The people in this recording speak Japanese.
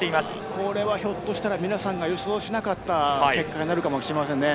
これはひょっとしたら皆さんが予想しなかった結果になるかもしれませんね。